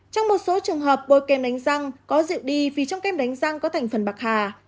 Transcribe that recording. trong một số trường hợp bôi kem đánh răng có rượu đi vì trong kem đánh răng có thành phần bạc hà